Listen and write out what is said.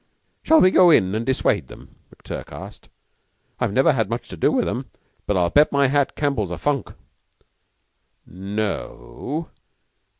"Shall we go in an' dissuade 'em?" McTurk asked. "I've never had much to do with 'em, but I'll bet my hat Campbell's a funk." "No o!